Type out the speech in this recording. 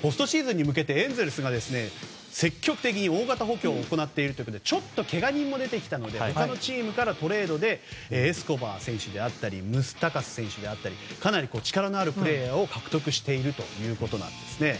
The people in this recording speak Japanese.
ポストシーズンに向けてエンゼルスが積極的に大型補強を行っているということでちょっと、けが人も出てきたので他のチームからトレードでエスコバー選手だったりムスタカス選手であったり力のあるプレーヤーを獲得しているということですね。